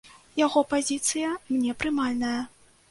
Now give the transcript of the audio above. Яго пазіцыя мне прымальная.